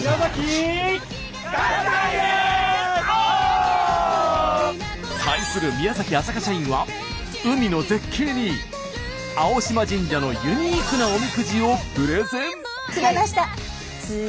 オ！対する宮崎浅香社員は海の絶景に青島神社のユニークなおみくじをプレゼン。